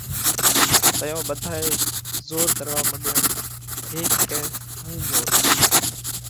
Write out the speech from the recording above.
تئيون ٻڌائي زور ڪروا مڏيا هيڪ ڪئہ هُون مور